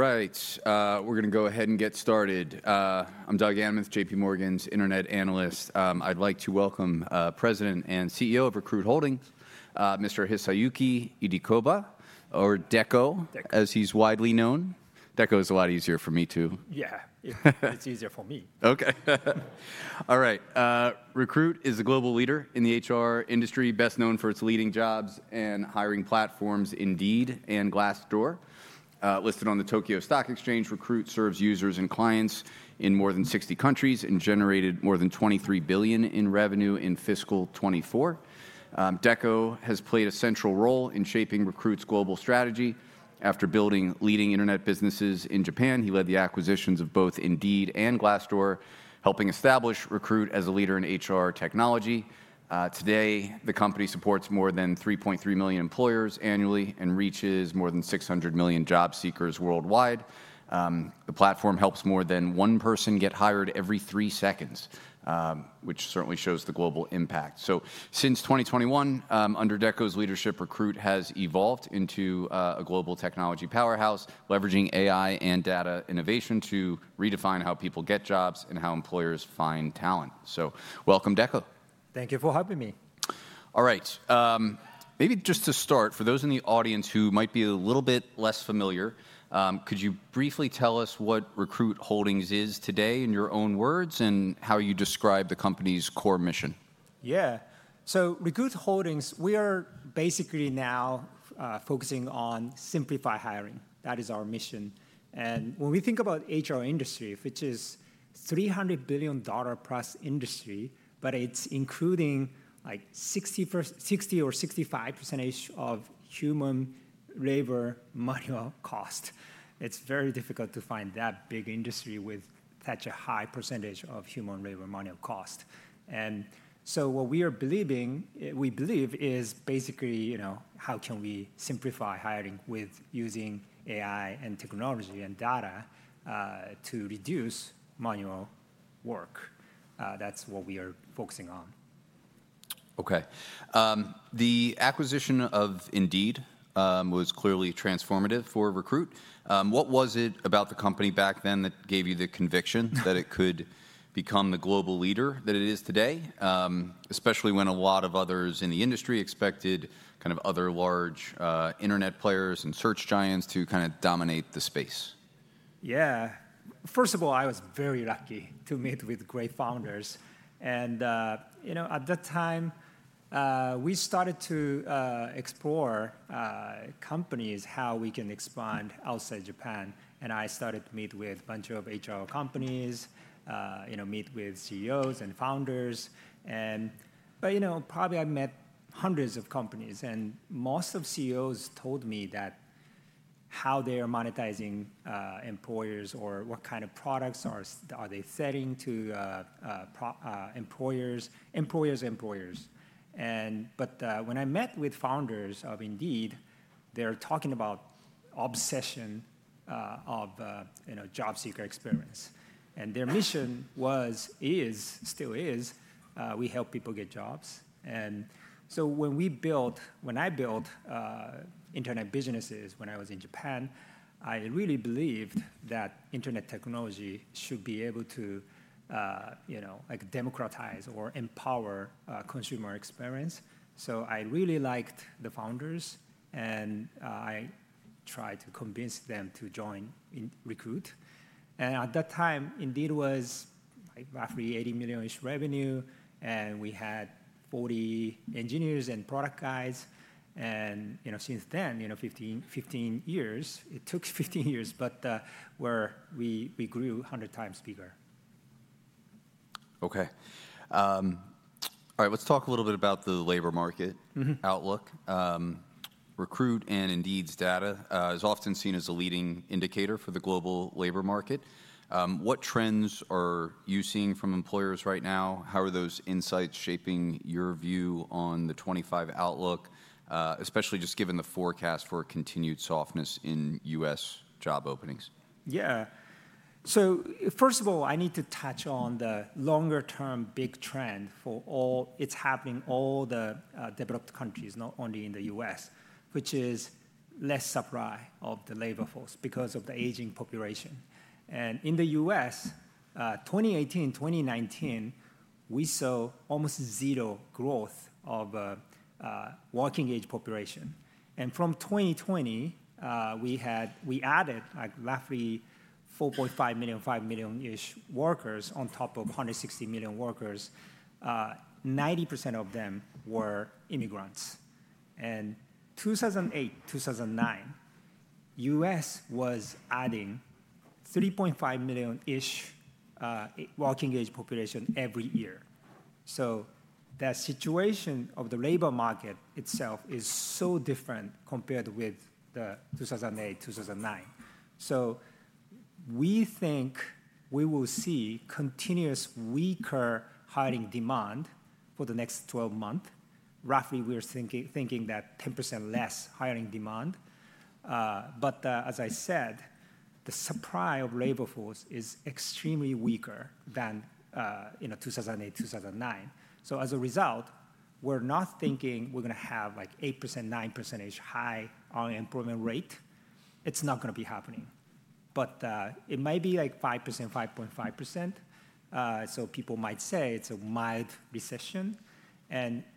All right, we're going to go ahead and get started. I'm Doug Anmuth, JPMorgan's Internet Analyst. I'd like to welcome President and CEO of Recruit Holdings, Mr. Hisayuki Idekoba, or Deko, as he's widely known. Deko is a lot easier for me to. Yeah, it's easier for me. Okay. All right. Recruit is a global leader in the HR industry, best known for its leading jobs and hiring platforms, Indeed and Glassdoor. Listed on the Tokyo Stock Exchange, Recruit serves users and clients in more than 60 countries and generated more than $23 billion in revenue in fiscal 2024. Deko has played a central role in shaping Recruit's global strategy. After building leading Internet businesses in Japan, he led the acquisitions of both Indeed and Glassdoor, helping establish Recruit as a leader in HR technology. Today, the company supports more than 3.3 million employers annually and reaches more than 600 million job seekers worldwide. The platform helps more than one person get hired every three seconds, which certainly shows the global impact. Since 2021, under Deko's leadership, Recruit has evolved into a global technology powerhouse, leveraging AI and data innovation to redefine how people get jobs and how employers find talent. Welcome, Deko. Thank you for having me. All right. Maybe just to start, for those in the audience who might be a little bit less familiar, could you briefly tell us what Recruit Holdings is today in your own words and how you describe the company's core mission? Yeah. Recruit Holdings, we are basically now focusing on simplifying hiring. That is our mission. When we think about the HR industry, which is a $300 billion-plus industry, but it's including like 60% or 65% of human labor manual cost, it's very difficult to find that big industry with such a high percentage of human labor manual cost. What we are believing, we believe, is basically, you know, how can we simplify hiring with using AI and technology and data to reduce manual work? That's what we are focusing on. Okay. The acquisition of Indeed was clearly transformative for Recruit. What was it about the company back then that gave you the conviction that it could become the global leader that it is today, especially when a lot of others in the industry expected kind of other large Internet players and search giants to kind of dominate the space? Yeah. First of all, I was very lucky to meet with great founders. You know, at that time, we started to explore companies, how we can expand outside Japan. I started to meet with a bunch of HR companies, you know, meet with CEOs and founders. You know, probably I met hundreds of companies. Most of CEOs told me how they are monetizing employers or what kind of products are they selling to employers, employers, employers. When I met with founders of Indeed, they're talking about obsession of, you know, job seeker experience. Their mission was, is, still is, we help people get jobs. When we built, when I built Internet businesses when I was in Japan, I really believed that Internet technology should be able to, you know, like democratize or empower consumer experience. I really liked the founders, and I tried to convince them to join Recruit. At that time, Indeed was roughly $80 million revenue, and we had 40 engineers and product guys. You know, since then, you know, 15 years, it took 15 years, but we grew 100x bigger. Okay. All right, let's talk a little bit about the labor market outlook. Recruit and Indeed's data is often seen as a leading indicator for the global labor market. What trends are you seeing from employers right now? How are those insights shaping your view on the 2025 outlook, especially just given the forecast for continued softness in U.S. job openings? Yeah. First of all, I need to touch on the longer-term big trend for all that's happening in all the developed countries, not only in the U.S., which is less supply of the labor force because of the aging population. In the U.S., 2018, 2019, we saw almost zero growth of the working-age population. From 2020, we added like roughly 4.5 million-5 million-ish workers on top of 160 million workers. 90% of them were immigrants. In 2008, 2009, the U.S. was adding 3.5 million-ish working-age population every year. That situation of the labor market itself is so different compared with 2008, 2009. We think we will see continuous weaker hiring demand for the next 12 months. Roughly, we are thinking that 10% less hiring demand. As I said, the supply of labor force is extremely weaker than, you know, 2008, 2009. As a result, we're not thinking we're going to have like 8%-9%-ish high unemployment rate. It's not going to be happening. It might be like 5%-5.5%. People might say it's a mild recession.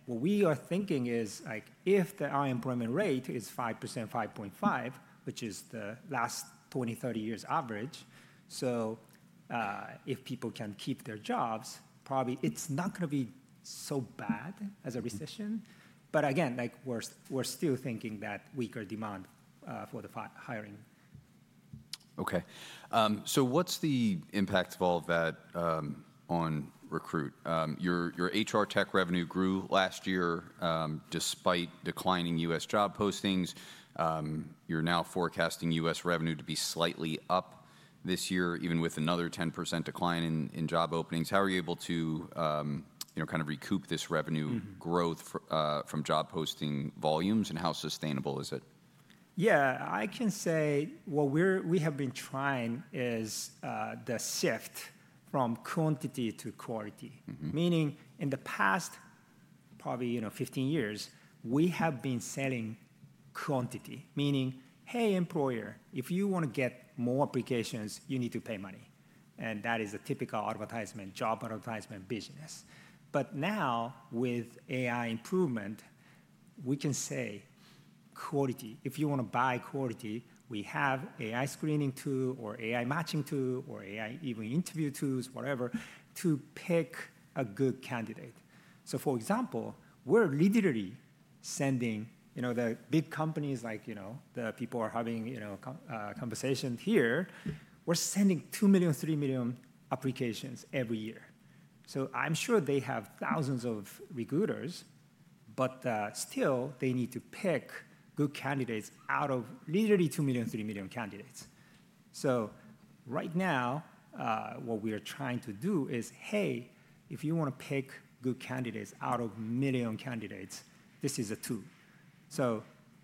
What we are thinking is like if the unemployment rate is 5%-5.5%, which is the last 20-30 years' average, if people can keep their jobs, probably it's not going to be so bad as a recession. Again, like we're still thinking that weaker demand for the hiring. Okay. So what's the impact of all of that on Recruit? Your HR tech revenue grew last year despite declining U.S. job postings. You're now forecasting U.S. revenue to be slightly up this year, even with another 10% decline in job openings. How are you able to, you know, kind of recoup this revenue growth from job posting volumes, and how sustainable is it? Yeah, I can say what we have been trying is the shift from quantity to quality, meaning in the past, probably, you know, 15 years, we have been selling quantity, meaning, hey, employer, if you want to get more applications, you need to pay money. That is a typical advertisement, job advertisement business. Now with AI improvement, we can say quality, if you want to buy quality, we have AI screening tool or AI matching tool or AI even interview tools, whatever, to pick a good candidate. For example, we're literally sending, you know, the big companies like, you know, the people are having, you know, conversations here, we're sending 2 million-3 million applications every year. I'm sure they have thousands of recruiters, but still they need to pick good candidates out of literally 2 million-3 million candidates. Right now, what we are trying to do is, hey, if you want to pick good candidates out of a million candidates, this is a tool.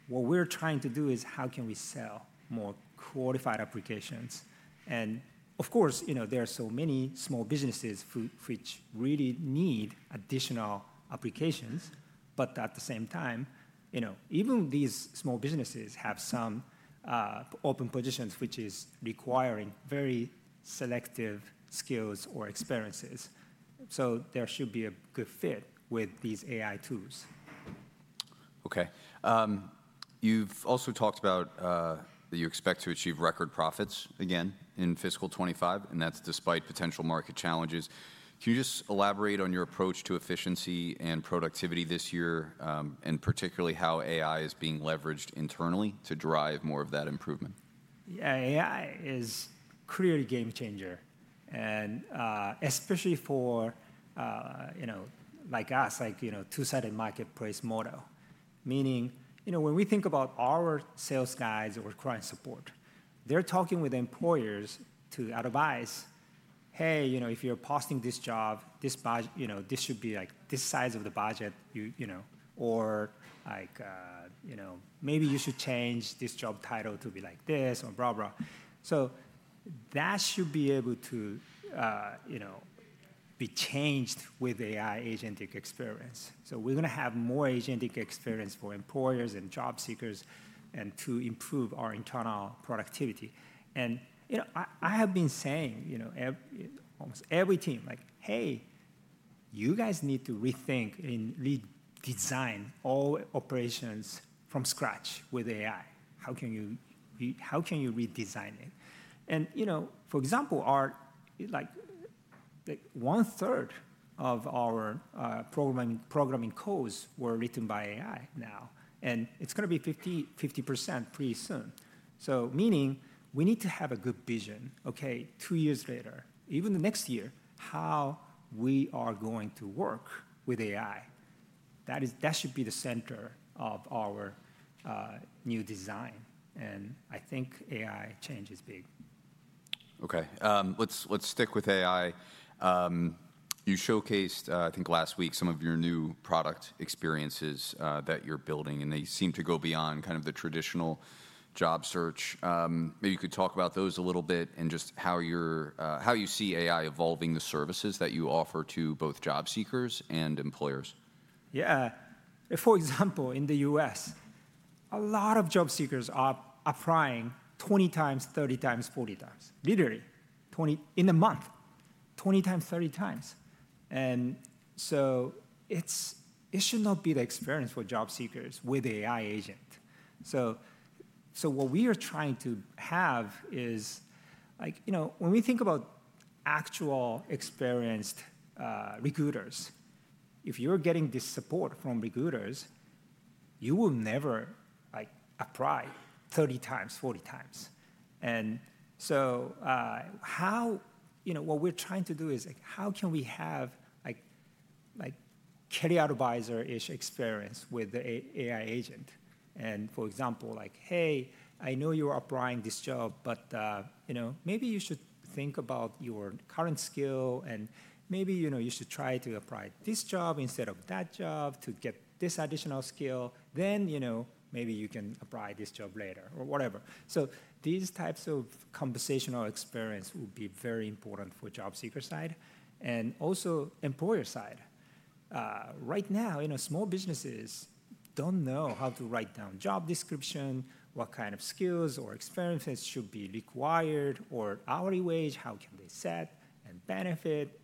What we're trying to do is how can we sell more qualified applications. Of course, you know, there are so many small businesses which really need additional applications. At the same time, you know, even these small businesses have some open positions, which is requiring very selective skills or experiences. There should be a good fit with these AI tools. Okay. You've also talked about that you expect to achieve record profits again in fiscal 2025, and that's despite potential market challenges. Can you just elaborate on your approach to efficiency and productivity this year, and particularly how AI is being leveraged internally to drive more of that improvement? Yeah, AI is clearly a game changer, and especially for, you know, like us, like, you know, two-sided marketplace model, meaning, you know, when we think about our sales guys or client support, they're talking with employers to advise, hey, you know, if you're posting this job, this budget, you know, this should be like this size of the budget, you know, or like, you know, maybe you should change this job title to be like this or blah, blah. That should be able to, you know, be changed with AI agentic experience. We're going to have more agentic experience for employers and job seekers and to improve our internal productivity. You know, I have been saying, you know, almost every team like, hey, you guys need to rethink and redesign all operations from scratch with AI. How can you redesign it? You know, for example, like 1/3 of our programming codes were written by AI now, and it's going to be 50% pretty soon. Meaning we need to have a good vision, okay, two years later, even the next year, how we are going to work with AI. That should be the center of our new design. I think AI change is big. Okay. Let's stick with AI. You showcased, I think last week, some of your new product experiences that you're building, and they seem to go beyond kind of the traditional job search. Maybe you could talk about those a little bit and just how you see AI evolving the services that you offer to both job seekers and employers. Yeah. For example, in the U.S., a lot of job seekers are applying 20x, 30x, 40x, literally 20 in a month, 20x, 30x. It should not be the experience for job seekers with AI agent. What we are trying to have is like, you know, when we think about actual experienced recruiters, if you're getting this support from recruiters, you will never like apply 30x, 40x. What we're trying to do is how can we have like carrier advisor-ish experience with the AI agent. For example, like, hey, I know you're applying this job, but, you know, maybe you should think about your current skill, and maybe, you know, you should try to apply this job instead of that job to get this additional skill. You know, maybe you can apply this job later or whatever. These types of conversational experience will be very important for job seeker side and also employer side. Right now, you know, small businesses don't know how to write down job description, what kind of skills or experiences should be required, or hourly wage, how can they set and benefit.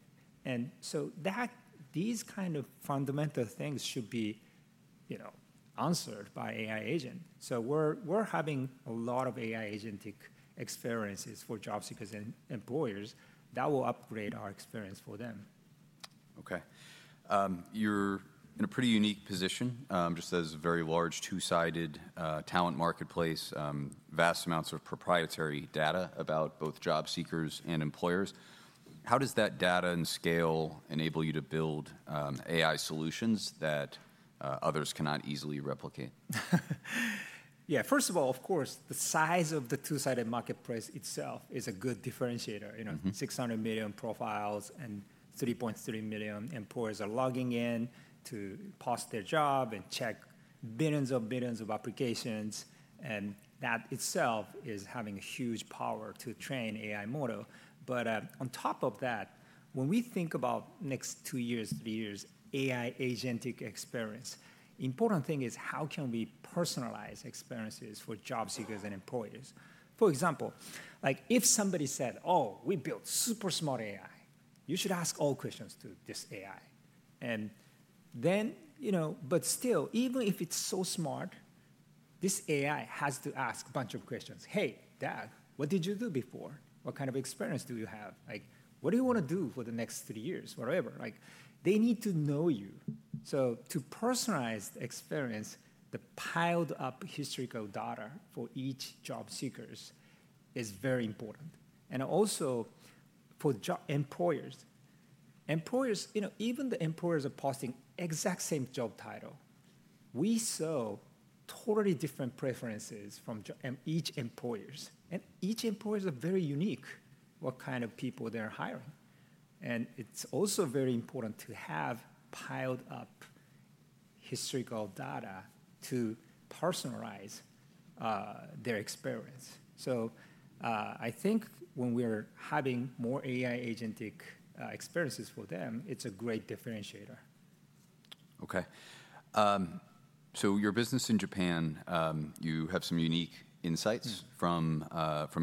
These kind of fundamental things should be, you know, answered by AI agent. We're having a lot of AI agentic experiences for job seekers and employers that will upgrade our experience for them. Okay. You're in a pretty unique position just as a very large two-sided talent marketplace, vast amounts of proprietary data about both job seekers and employers. How does that data and scale enable you to build AI solutions that others cannot easily replicate? Yeah. First of all, of course, the size of the two-sided marketplace itself is a good differentiator. You know, 600 million profiles and 3.3 million employers are logging in to post their job and check billions of billions of applications. That itself is having a huge power to train AI model. On top of that, when we think about next two years, three years, AI agentic experience, the important thing is how can we personalize experiences for job seekers and employers. For example, like if somebody said, oh, we built super smart AI, you should ask all questions to this AI. You know, but still, even if it's so smart, this AI has to ask a bunch of questions. Hey, Dad, what did you do before? What kind of experience do you have? Like, what do you want to do for the next three years, whatever? Like, they need to know you. To personalize the experience, the piled-up historical data for each job seeker is very important. Also for employers, you know, even if the employers are posting the exact same job title, we saw totally different preferences from each employer. Each employer is very unique in what kind of people they're hiring. It is also very important to have piled-up historical data to personalize their experience. I think when we're having more AI agentic experiences for them, it's a great differentiator. Okay. So your business in Japan, you have some unique insights from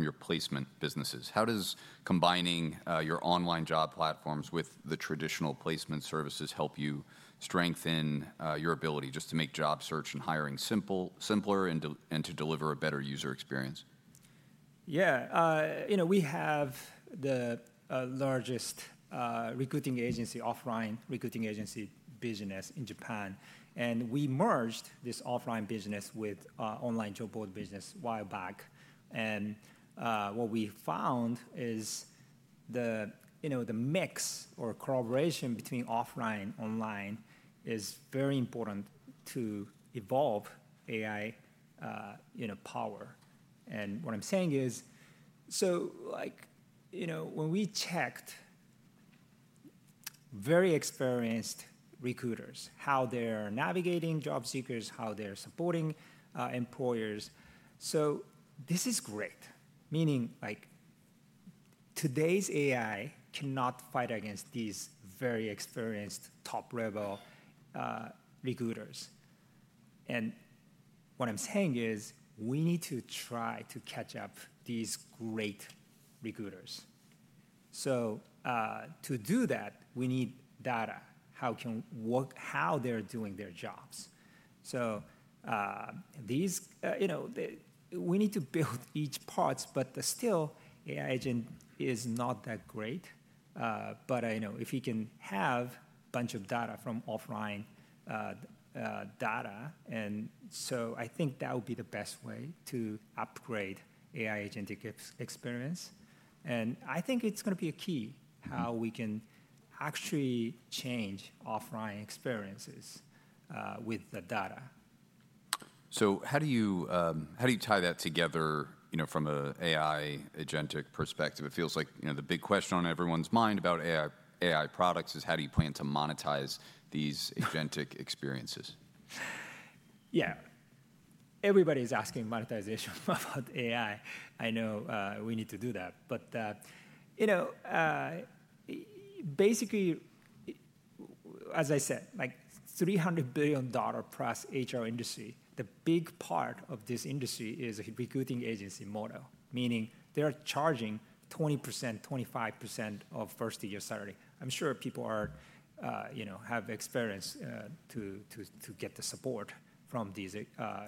your placement businesses. How does combining your online job platforms with the traditional placement services help you strengthen your ability just to make job search and hiring simpler and to deliver a better user experience? Yeah. You know, we have the largest recruiting agency, offline recruiting agency business in Japan. We merged this offline business with online job board business a while back. What we found is the, you know, the mix or collaboration between offline and online is very important to evolve AI, you know, power. What I'm saying is, like, you know, when we checked very experienced recruiters, how they're navigating job seekers, how they're supporting employers, this is great. Meaning like today's AI cannot fight against these very experienced top-level recruiters. What I'm saying is we need to try to catch up these great recruiters. To do that, we need data, how they're doing their jobs. So these, you know, we need to build each parts, but still AI agent is not that great. You know, if we can have a bunch of data from offline data, I think that would be the best way to upgrade AI agentic experience. I think it's going to be a key how we can actually change offline experiences with the data. How do you tie that together, you know, from an AI agentic perspective? It feels like, you know, the big question on everyone's mind about AI products is how do you plan to monetize these agentic experiences? Yeah. Everybody is asking monetization about AI. I know we need to do that. But, you know, basically, as I said, like $300 billion+ HR industry, the big part of this industry is a recruiting agency model, meaning they are charging 20%-25% of first year salary. I'm sure people are, you know, have experience to get the support from these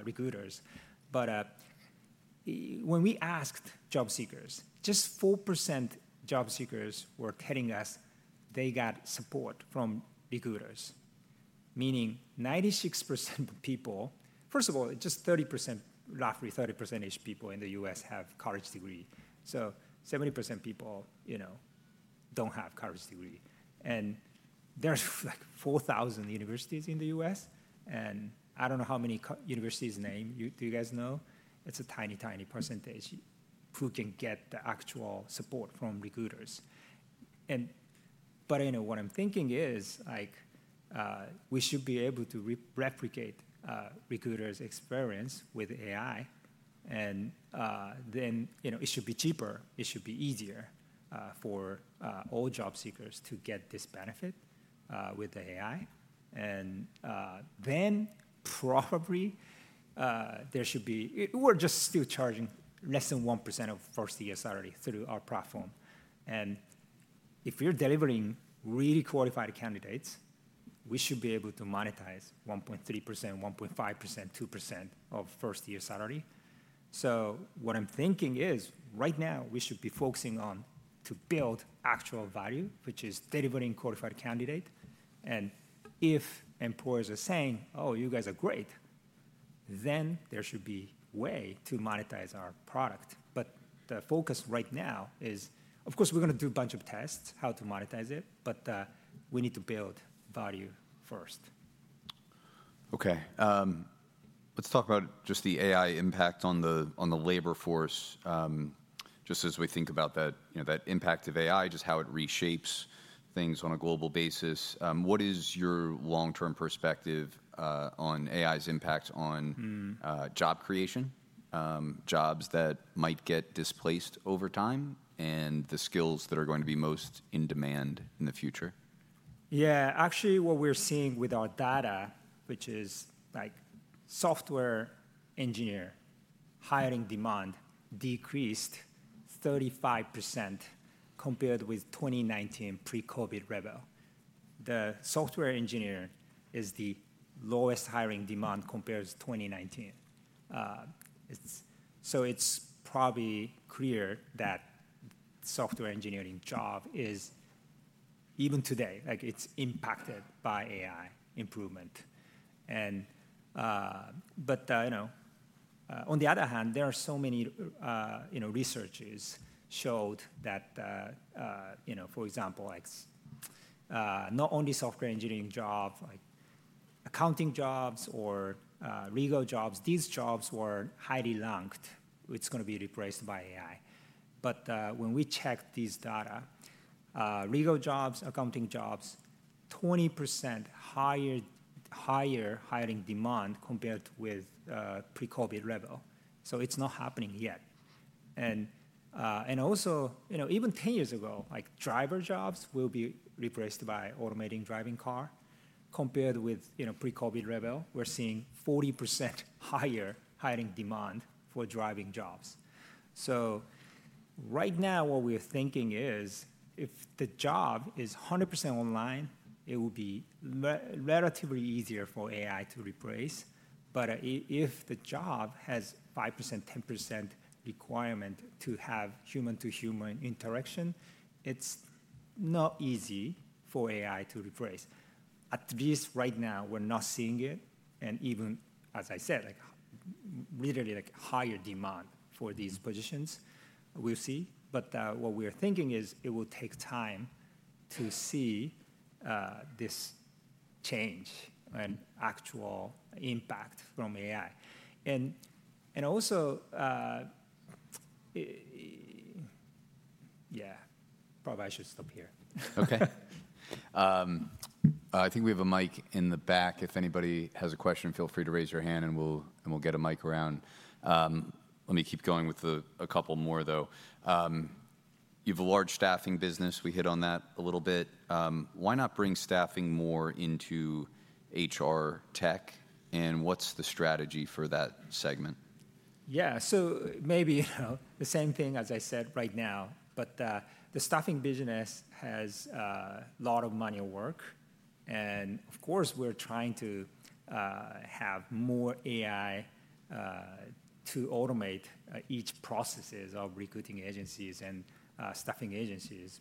recruiters. But when we asked job seekers, just 4% job seekers were telling us they got support from recruiters, meaning 96% of people, first of all, just 30%, roughly 30%-ish people in the U.S. have college degree. So 70% people, you know, don't have college degree. And there's like 4,000 universities in the U.S. And I don't know how many universities' names do you guys know. It's a tiny, tiny percentage who can get the actual support from recruiters. You know, what I'm thinking is like we should be able to replicate recruiters' experience with AI. Then, you know, it should be cheaper. It should be easier for all job seekers to get this benefit with the AI. There should be, we're just still charging less than 1% of first year salary through our platform. If we're delivering really qualified candidates, we should be able to monetize 1.3%, 1.5%, 2% of first year salary. What I'm thinking is right now we should be focusing on to build actual value, which is delivering qualified candidates. If employers are saying, oh, you guys are great, then there should be a way to monetize our product. The focus right now is, of course, we're going to do a bunch of tests how to monetize it, but we need to build value first. Okay. Let's talk about just the AI impact on the labor force. Just as we think about that, you know, that impact of AI, just how it reshapes things on a global basis. What is your long-term perspective on AI's impact on job creation, jobs that might get displaced over time, and the skills that are going to be most in demand in the future? Yeah. Actually, what we're seeing with our data, which is like software engineer hiring demand decreased 35% compared with 2019 pre-COVID level. The software engineer is the lowest hiring demand compared to 2019. It's probably clear that software engineering job is even today, like it's impacted by AI improvement. But, you know, on the other hand, there are so many, you know, researches showed that, you know, for example, like not only software engineering job, like accounting jobs or legal jobs, these jobs were highly ranked. It's going to be replaced by AI. But when we checked these data, legal jobs, accounting jobs, 20% higher hiring demand compared with pre-COVID level. It's not happening yet. Also, you know, even 10 years ago, like driver jobs will be replaced by automating driving car compared with, you know, pre-COVID level. We're seeing 40% higher hiring demand for driving jobs. Right now, what we're thinking is if the job is 100% online, it will be relatively easier for AI to replace. If the job has 5%-10% requirement to have human-to-human interaction, it's not easy for AI to replace. At least right now, we're not seeing it. Even, as I said, like literally like higher demand for these positions we'll see. What we're thinking is it will take time to see this change and actual impact from AI. Also, yeah, probably I should stop here. Okay. I think we have a mic in the back. If anybody has a question, feel free to raise your hand and we'll get a mic around. Let me keep going with a couple more, though. You have a large staffing business. We hit on that a little bit. Why not bring staffing more into HR tech? And what's the strategy for that segment? Yeah. Maybe the same thing as I said right now, but the staffing business has a lot of manual work. Of course, we're trying to have more AI to automate each process of recruiting agencies and staffing agencies.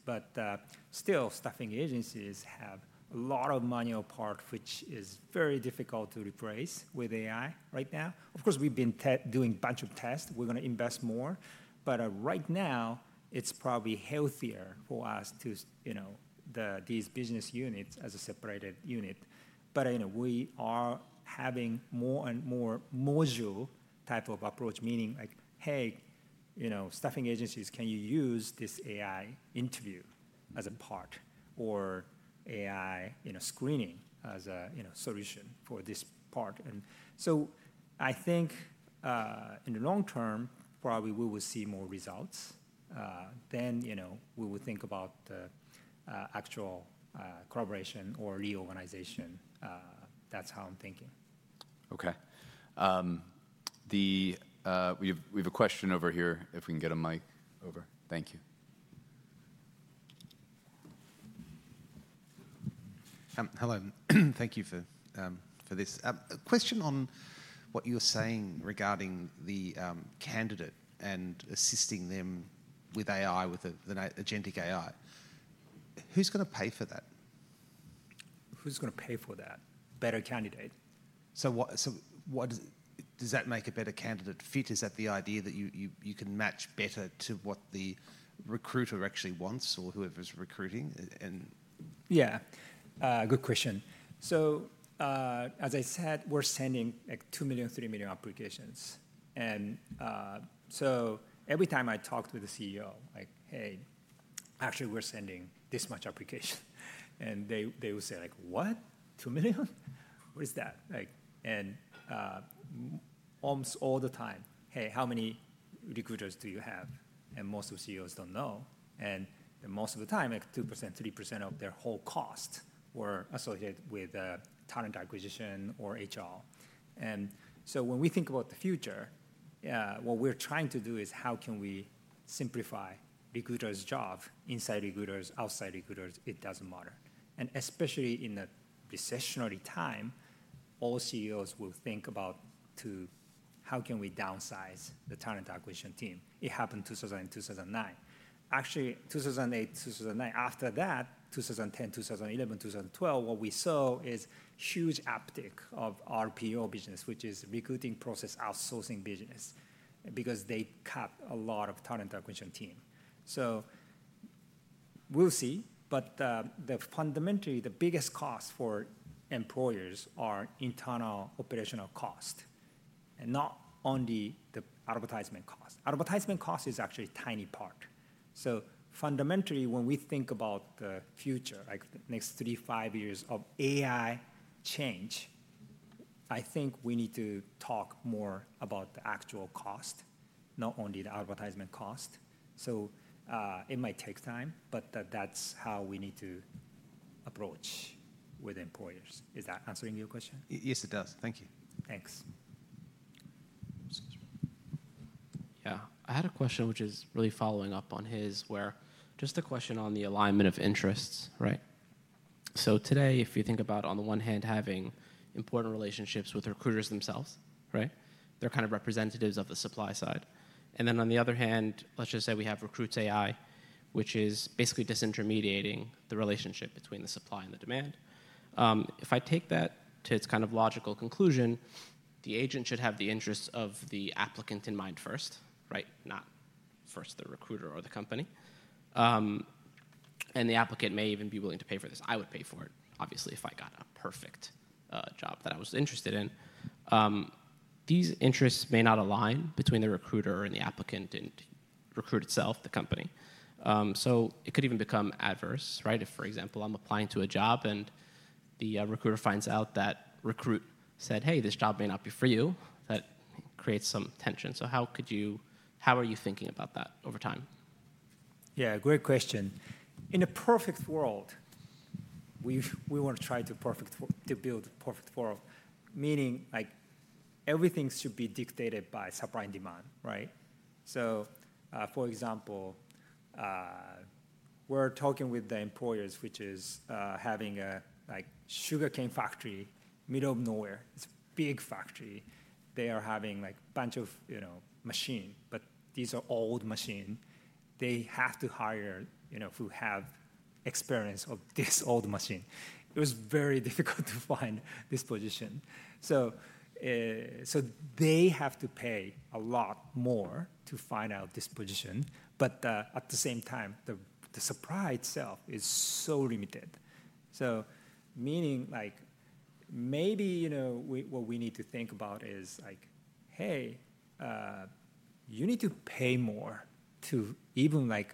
Still, staffing agencies have a lot of manual parts, which is very difficult to replace with AI right now. Of course, we've been doing a bunch of tests. We're going to invest more. Right now, it's probably healthier for us to, you know, keep these business units as a separated unit. You know, we are having more and more module type of approach, meaning like, hey, you know, staffing agencies, can you use this AI interview as a part or AI, you know, screening as a, you know, solution for this part? I think in the long term, probably we will see more results. You know, we will think about the actual collaboration or reorganization. That's how I'm thinking. Okay. We have a question over here if we can get a mic over. Thank you. Hello. Thank you for this. Question on what you were saying regarding the candidate and assisting them with AI, with the agentic AI. Who's going to pay for that? Who's going to pay for that? Better candidate. What does that make a better candidate fit? Is that the idea that you can match better to what the recruiter actually wants or whoever's recruiting? Yeah. Good question. As I said, we're sending like 2 million, 3 million applications. Every time I talked with the CEO, like, hey, actually we're sending this much application. They would say like, what? 2 million? What is that? Almost all the time, hey, how many recruiters do you have? Most of the CEOs don't know. Most of the time, like 2%, 3% of their whole cost were associated with talent acquisition or HR. When we think about the future, what we're trying to do is how can we simplify recruiters' jobs inside recruiters, outside recruiters? It doesn't matter. Especially in the recessionary time, all CEOs will think about how can we downsize the talent acquisition team. It happened in 2008, 2009. Actually, 2008, 2009, after that, 2010, 2011, 2012, what we saw is huge uptick of RPO business, which is recruiting process outsourcing business, because they cut a lot of talent acquisition team. We'll see. Fundamentally, the biggest cost for employers are internal operational cost, and not only the advertisement cost. Advertisement cost is actually a tiny part. Fundamentally, when we think about the future, like the next three, five years of AI change, I think we need to talk more about the actual cost, not only the advertisement cost. It might take time, but that's how we need to approach with employers. Is that answering your question? Yes, it does. Thank you. Thanks. Yeah. I had a question, which is really following up on his, where just a question on the alignment of interests, right? Today, if you think about on the one hand, having important relationships with recruiters themselves, right? They're kind of representatives of the supply side. On the other hand, let's just say we have Recruit's AI, which is basically disintermediating the relationship between the supply and the demand. If I take that to its kind of logical conclusion, the agent should have the interests of the applicant in mind first, right? Not first the recruiter or the company. The applicant may even be willing to pay for this. I would pay for it, obviously, if I got a perfect job that I was interested in. These interests may not align between the recruiter and the applicant and Recruit itself, the company. It could even become adverse, right? If, for example, I'm applying to a job and the recruiter finds out that Recruit said, hey, this job may not be for you, that creates some tension. How could you, how are you thinking about that over time? Yeah. Great question. In a perfect world, we want to try to build a perfect world, meaning like everything should be dictated by supply and demand, right? For example, we're talking with the employers, which is having a sugarcane factory in the middle of nowhere. It's a big factory. They are having like a bunch of, you know, machines, but these are old machines. They have to hire, you know, who have experience of this old machine. It was very difficult to find this position. They have to pay a lot more to find out this position. At the same time, the supply itself is so limited. Meaning like maybe, you know, what we need to think about is like, hey, you need to pay more to even like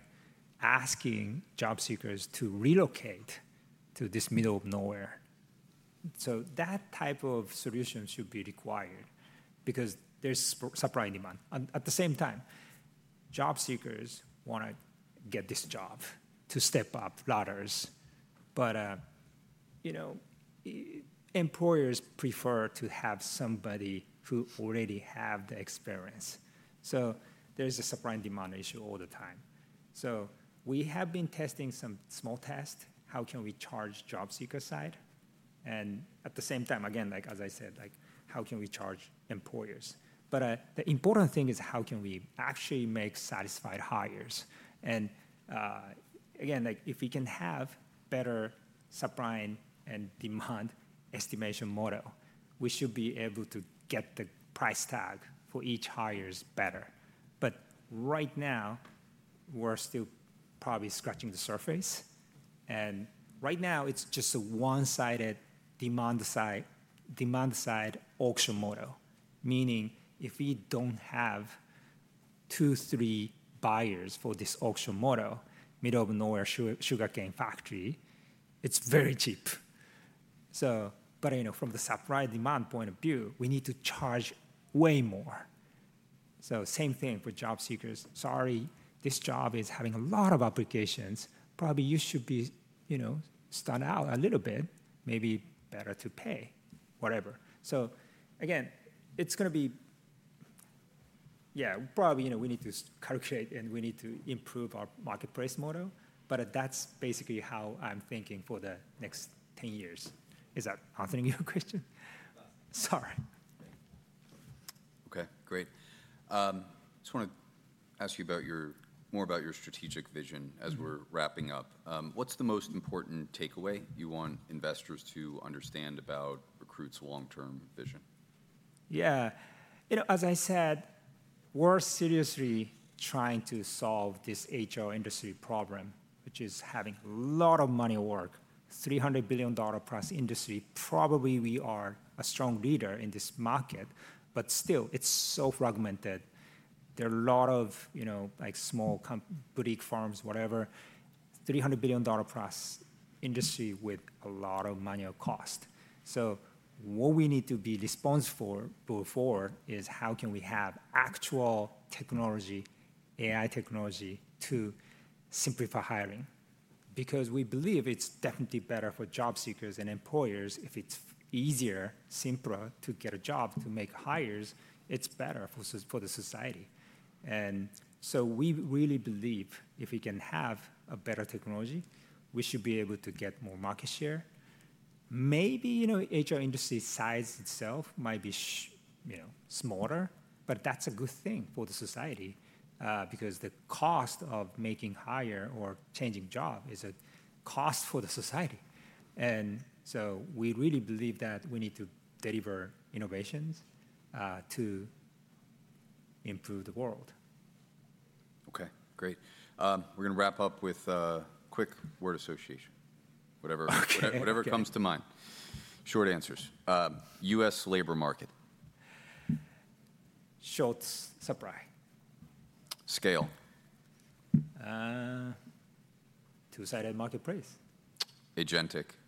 asking job seekers to relocate to this middle of nowhere. That type of solution should be required because there's supply and demand. At the same time, job seekers want to get this job to step up ladders. But, you know, employers prefer to have somebody who already has the experience. There's a supply and demand issue all the time. We have been testing some small tests. How can we charge job seeker side? At the same time, again, like as I said, like how can we charge employers? The important thing is how can we actually make satisfied hires? Again, like if we can have better supply and demand estimation model, we should be able to get the price tag for each hire better. Right now, we're still probably scratching the surface. Right now, it's just a one-sided demand-side auction model. Meaning if we do not have two, three buyers for this auction model, middle of nowhere sugarcane factory, it is very cheap. You know, from the supply demand point of view, we need to charge way more. Same thing for job seekers. Sorry, this job is having a lot of applications. Probably you should be, you know, stunned out a little bit. Maybe better to pay, whatever. Again, it is going to be, yeah, probably, you know, we need to calculate and we need to improve our marketplace model. That is basically how I am thinking for the next 10 years. Is that answering your question? Sorry. Okay. Great. Just want to ask you more about your strategic vision as we're wrapping up. What's the most important takeaway you want investors to understand about Recruit's long-term vision? Yeah. You know, as I said, we're seriously trying to solve this HR industry problem, which is having a lot of manual work, $300 billion+ industry. Probably we are a strong leader in this market, but still, it's so fragmented. There are a lot of, you know, like small boutique firms, whatever, $300 billion-plus industry with a lot of manual cost. What we need to be responsible for is how can we have actual technology, AI technology to simplify hiring? Because we believe it's definitely better for job seekers and employers if it's easier, simpler to get a job, to make hires. It's better for the society. We really believe if we can have a better technology, we should be able to get more market share. Maybe, you know, HR industry size itself might be, you know, smaller, but that's a good thing for the society because the cost of making hire or changing job is a cost for the society. We really believe that we need to deliver innovations to improve the world. Okay. Great. We're going to wrap up with a quick word association, whatever comes to mind. Short answers. U.S. labor market. Short supply. Scale. Two-sided marketplace. Agentic.